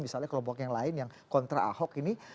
misalnya kelompok yang lain yang kontra ahok ini